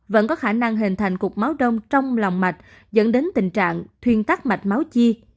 vẫn có khả năng hình thành cục máu đông trong lòng mạch dẫn đến tình trạng thuyên tắc mạch máu chi